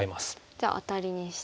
じゃあアタリにして。